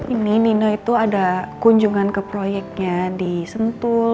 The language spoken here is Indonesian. ini nina itu ada kunjungan ke proyeknya di sentul